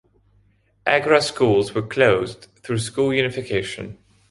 Agra schools were closed through school unification.